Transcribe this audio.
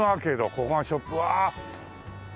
ここがショップああ。